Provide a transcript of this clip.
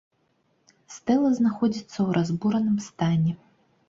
Стэла знаходзіцца ў разбураным стане.